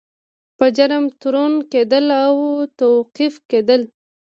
په جرم تورن کیدل او توقیف کیدل.